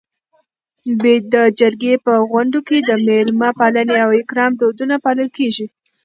د جرګې په غونډو کي د میلمه پالنې او اکرام دودونه پالل کيږي.